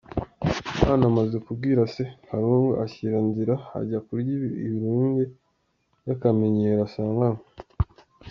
Umwana amaze kubwira se, Karungu ashyira nzira ajya kurya ibirunge by’akamenyero asanganywe.